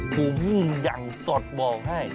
ปูปุ้งอย่างสดบอกให้